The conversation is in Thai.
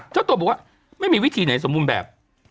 เจ้าตัวบอกว่าไม่มีวิธีไหนสมบูรณ์แบบ